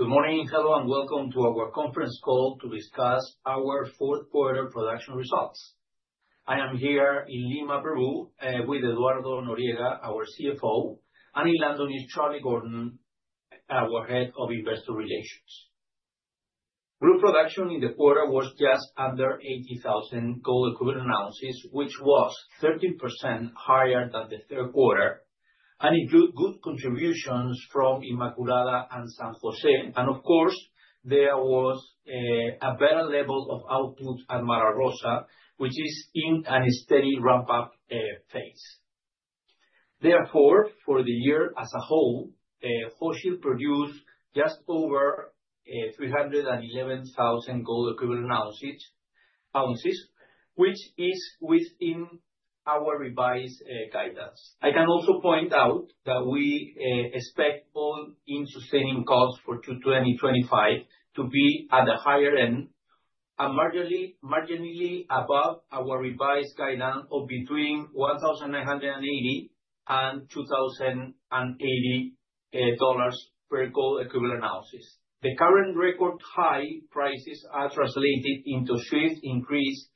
Good morning, hello, and welcome to our conference call to discuss our fourth quarter production results. I am here in Lima, Peru, with Eduardo Noriega, our CFO, and in London is Charlie Gordon, our head of investor relations. Group production in the quarter was just under 80,000 gold equivalent ounces, which was 13% higher than the third quarter, and included good contributions from Inmaculada and San José, and of course there was a better level of output at Mara Rosa, which is in a steady ramp-up phase. Therefore, for the year as a whole, Hochschild produced just over 311,000 gold equivalent ounces, which is within our revised guidelines. I can also point out that we expect all-in sustaining costs for 2025 to be at the higher end, and marginally above our revised guidelines of between $1,980 and $2,080 per gold equivalent ounces. The current record high prices are translated into a sharp increase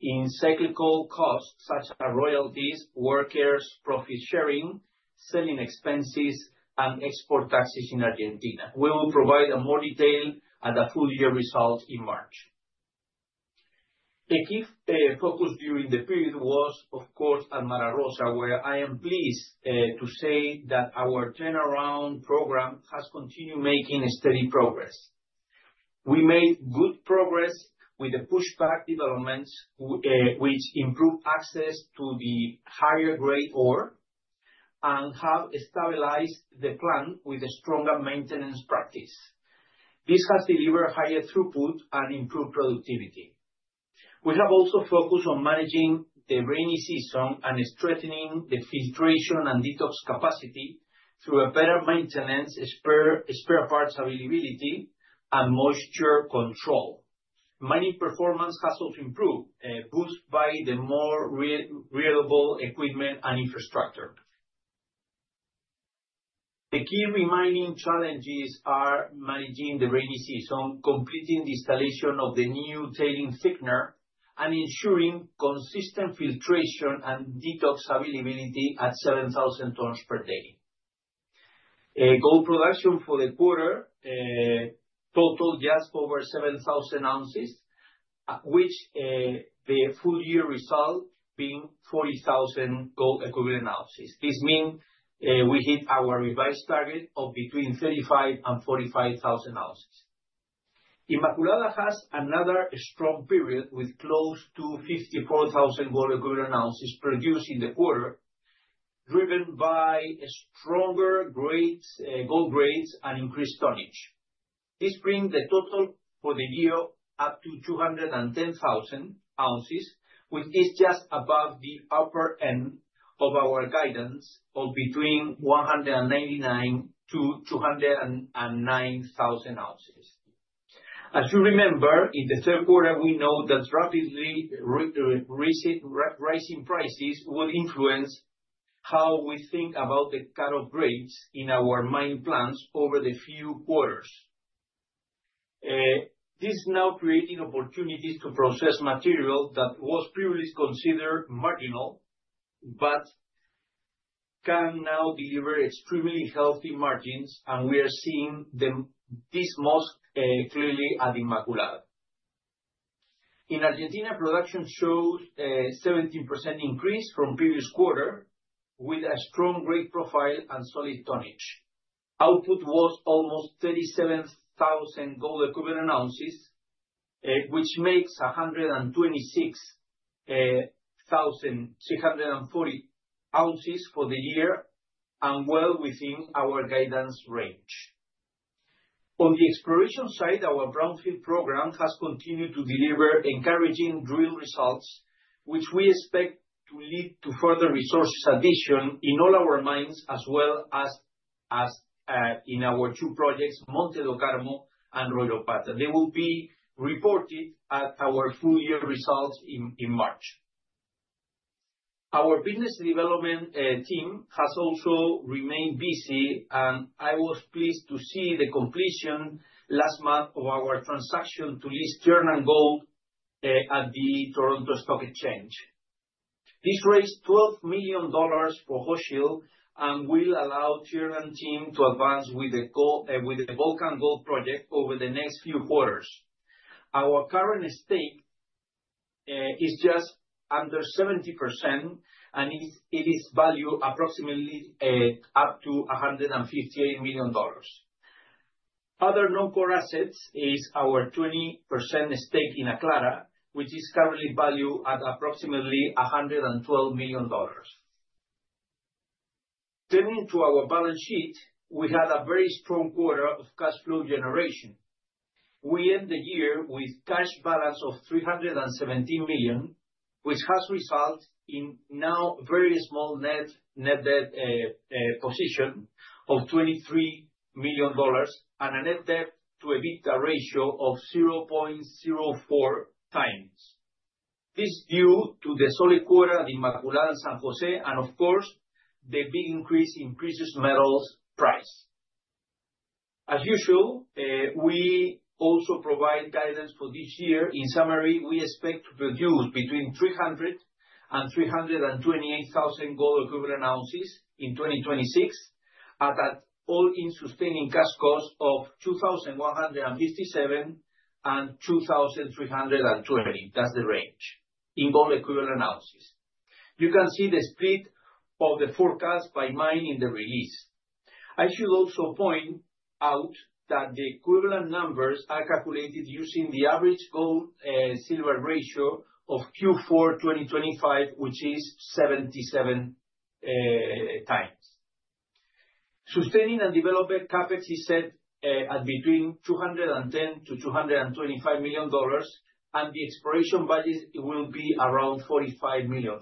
in cyclical costs such as royalties, workers' profit sharing, selling expenses, and export taxes in Argentina. We will provide more detail at the full-year result in March. The key focus during the period was, of course, at Mara Rosa, where I am pleased to say that our turnaround program has continued making steady progress. We made good progress with the pushback developments, which improved access to the higher grade ore, and have stabilized the plant with a stronger maintenance practice. This has delivered higher throughput and improved productivity. We have also focused on managing the rainy season and strengthening the filtration and detox capacity through better maintenance, spare parts availability, and moisture control. Mining performance has also improved, boosted by the more reliable equipment and infrastructure. The key remaining challenges are managing the rainy season, completing the installation of the new tailings thickener, and ensuring consistent filtration and detox availability at 7,000 tons per day. Gold production for the quarter totaled just over 7,000 ounces, with the full-year result being 40,000 gold equivalent ounces. This means we hit our revised target of between 35,000 and 45,000 ounces. Inmaculada has another strong period with close to 54,000 gold equivalent ounces produced in the quarter, driven by stronger gold grades and increased tonnage. This brings the total for the year up to 210,000 ounces, which is just above the upper end of our guidelines of between 199,000-209,000 ounces. As you remember, in the third quarter we know that rapidly rising prices would influence how we think about the cut-off grades in our mine plans over the few quarters. This is now creating opportunities to process material that was previously considered marginal but can now deliver extremely healthy margins, and we are seeing this most clearly at Inmaculada. In Argentina, production showed a 17% increase from the previous quarter, with a strong grade profile and solid tonnage. Output was almost 37,000 gold equivalent ounces, which makes 126,640 ounces for the year and well within our guidelines range. On the exploration side, our brownfield program has continued to deliver encouraging drill results, which we expect to lead to further resource addition in all our mines as well as in our two projects, Monte do Carmo and Royropata. They will be reported at our full-year results in March. Our business development team has also remained busy, and I was pleased to see the completion last month of our transaction to list Cerrado Gold at the Toronto Stock Exchange. This raised $12 million for Hochschild and will allow the Cerrado team to advance with the Monte do Carmo project over the next few quarters. Our current stake is just under 70%, and it is valued approximately up to $158 million. Other non-core assets are our 20% stake in Aclara, which is currently valued at approximately $112 million. Turning to our balance sheet, we had a very strong quarter of cash flow generation. We end the year with a cash balance of $317 million, which has resulted in now a very small net debt position of $23 million and a net debt to EBITDA ratio of 0.04 times. This is due to the solid quarter at Inmaculada and San José and, of course, the big increase in precious metals price. As usual, we also provide guidance for this year. In summary, we expect to produce between 300,000 and 328,000 gold equivalent ounces in 2026 at an all-in-sustaining cash cost of $2,157-$2,320. That's the range in gold equivalent ounces. You can see the split of the forecast by mine in the release. I should also point out that the equivalent numbers are calculated using the average gold-silver ratio of Q4 2025, which is 77 times. Sustaining and development capex is set at between $210 million-$225 million, and the exploration budget will be around $45 million.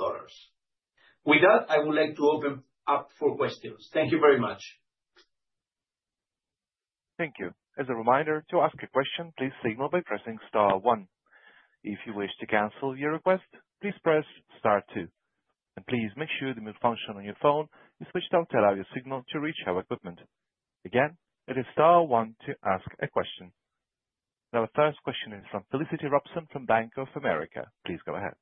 With that, I would like to open up for questions. Thank you very much. Thank you. As a reminder, to ask a question, please signal by pressing star one. If you wish to cancel your request, please press star two. Please make sure the mute function on your phone is switched off to let out your signal to reach our equipment. Again, it is star one to ask a question. Now, the first question is from Felicity Robson from Bank of America. Please go ahead.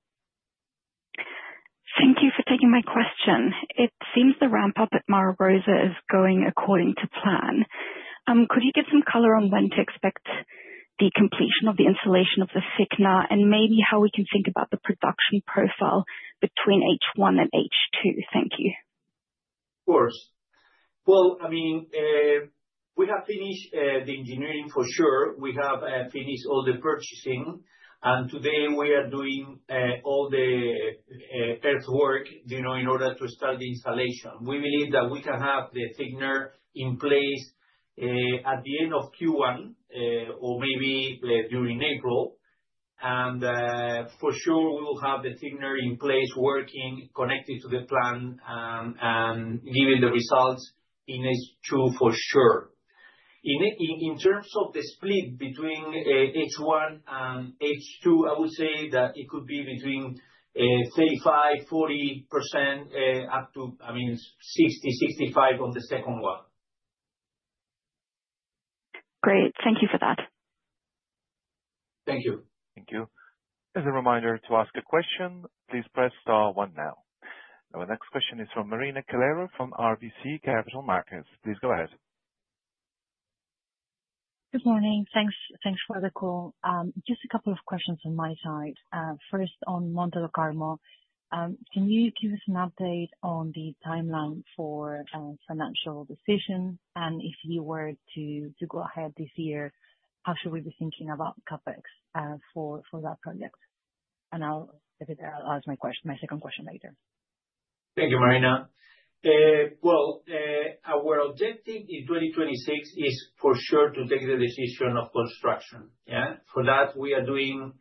Thank you for taking my question. It seems the ramp-up at Mara Rosa is going according to plan. Could you give some color on when to expect the completion of the installation of the thickener and maybe how we can think about the production profile between H1 and H2? Thank you. Of course. Well, I mean, we have finished the engineering for sure. We have finished all the purchasing, and today we are doing all the earthwork in order to start the installation. We believe that we can have the thickener in place at the end of Q1 or maybe during April. And for sure, we will have the thickener in place working, connected to the plant, and giving the results in H2 for sure. In terms of the split between H1 and H2, I would say that it could be between 35%-40% up to, I mean, 60%-65% on the second one. Great. Thank you for that. Thank you. Thank you. As a reminder, to ask a question, please press star one now. Now, the next question is from Marina Calero from RBC Capital Markets. Please go ahead. Good morning. Thanks for the call. Just a couple of questions on my side. First, on Monte do Carmo, can you give us an update on the timeline for financial decisions? And if you were to go ahead this year, how should we be thinking about CapEx for that project? And I'll ask my second question later. Thank you, Marina. Well, our objective in 2026 is for sure to take the decision of construction, yeah? For that, we are doing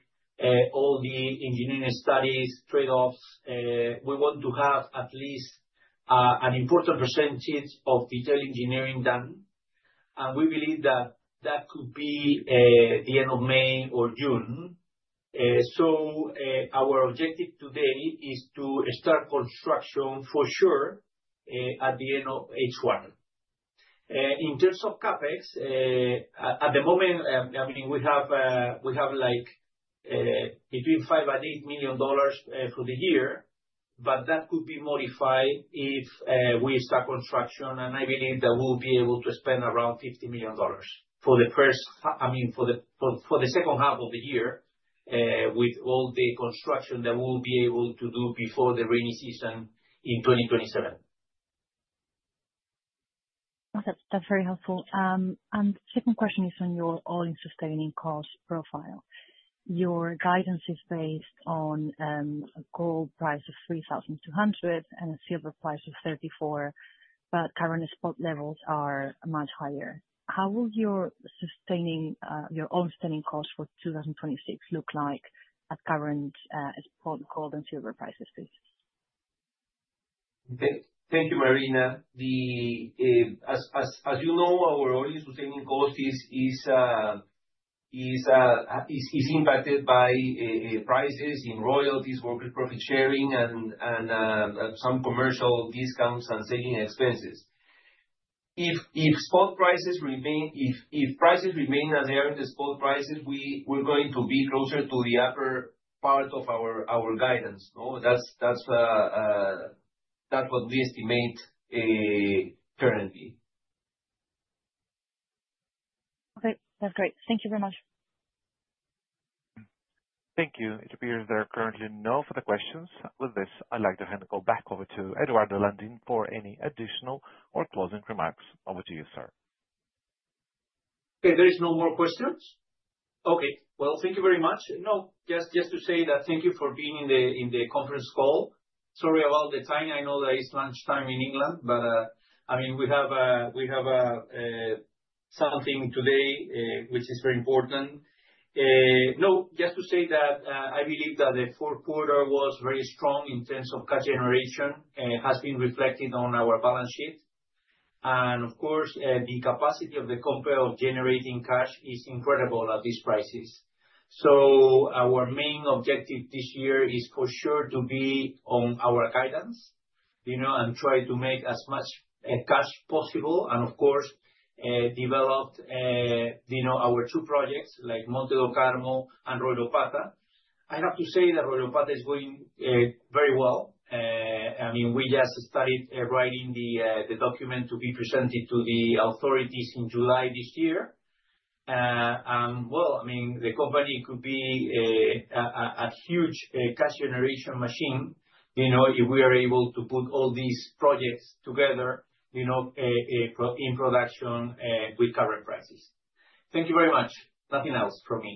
all the engineering studies, trade-offs. We want to have at least an important percentage of detail engineering done. And we believe that that could be the end of May or June. So our objective today is to start construction for sure at the end of H1. In terms of CapEx, at the moment, I mean, we have between $5 million and $8 million for the year, but that could be modified if we start construction. And I believe that we'll be able to spend around $50 million for the first I mean, for the second half of the year with all the construction that we'll be able to do before the rainy season in 2027. That's very helpful. The second question is on your all-in-sustaining cost profile. Your guidance is based on a gold price of $3,200 and a silver price of $34, but current spot levels are much higher. How will your all-sustaining cost for 2026 look like at current gold and silver prices, please? Okay. Thank you, Marina. As you know, our all-in-sustaining cost is impacted by prices and royalties, workers' profit sharing, and some commercial discounts and selling expenses. If prices remain as they are in the spot prices, we're going to be closer to the upper part of our guidance. That's what we estimate currently. Okay. That's great. Thank you very much. Thank you. It appears there are currently no further questions. With this, I'd like to hand the call back over to Eduardo Landin for any additional or closing remarks. Over to you, sir. Okay. There are no more questions? Okay. Well, thank you very much. No, just to say that thank you for being in the conference call. Sorry about the time. I know that it's lunchtime in England, but I mean, we have something today which is very important. No, just to say that I believe that the fourth quarter was very strong in terms of cash generation has been reflected on our balance sheet. And of course, the capacity of the company of generating cash is incredible at these prices. So our main objective this year is for sure to be on our guidance and try to make as much cash possible and, of course, develop our two projects like Monte do Carmo and Royropata. I have to say that Royropata is going very well. I mean, we just started writing the document to be presented to the authorities in July this year. Well, I mean, the company could be a huge cash generation machine if we are able to put all these projects together in production with current prices. Thank you very much. Nothing else from me.